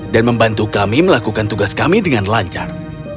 dan membantu kami melakukan tugas kami dengan lancar